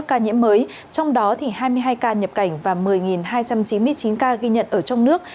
trong đó hai mươi hai ca nhập cảnh và một mươi hai trăm chín mươi chín ca ghi nhận ở trong nước